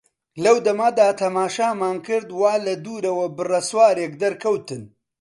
لەو دەمەدا تەماشامان کرد وا لە دوورەوە بڕە سوارێک دەرکەوتن.